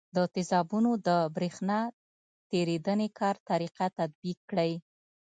د تیزابونو د برېښنا تیریدنې کار طریقه تطبیق کړئ.